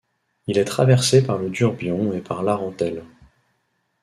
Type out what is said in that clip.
Il est traversé par le Durbion et par l'Arentèle.